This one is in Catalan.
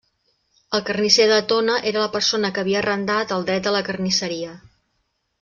El carnisser de Tona era la persona que havia arrendat el dret de la carnisseria.